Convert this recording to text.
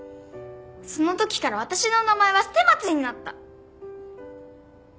その時から私の名前は「捨松」になった。